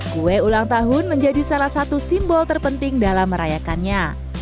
kue ulang tahun menjadi salah satu simbol terpenting dalam merayakannya